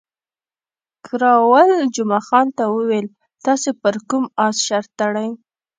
کراول جمعه خان ته وویل، تاسې پر کوم اس شرط تړلی؟